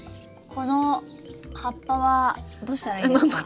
この葉っぱはどうしたらいいですか？